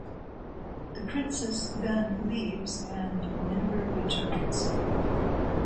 The princess then leaves and never returns.